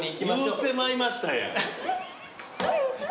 言うてまいましたやん。